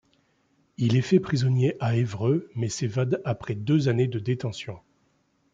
Il est fait prisonnier à Évreux, mais s'évade après deux années de détention.